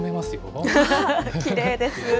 きれいです。